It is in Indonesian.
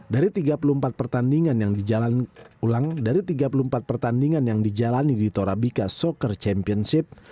dari tiga puluh empat pertandingan yang dijalani di torabika soccer championship